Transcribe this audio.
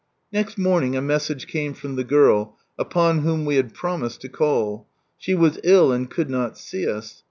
Next morning a message came from the girl, upon whom we had promised to call. She was ill and could not see us.